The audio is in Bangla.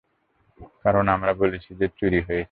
কারণ আমরা বলেছি যে, চুরি হয়েছে।